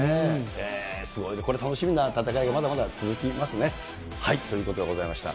すごいね、これ、楽しみな戦いがまだまだ続きますね。ということでございました。